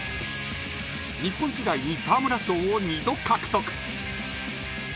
日本時代に沢村賞を２度獲得。